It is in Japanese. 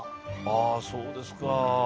ああそうですか。